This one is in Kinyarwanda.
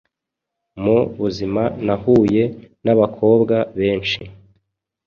Mu buzima nahuye n’abakobwa benshi